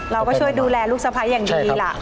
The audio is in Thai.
เราก็ช่วยดูแลลูกสะพ้ายอย่างดีล่ะ